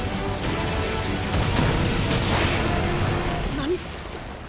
何⁉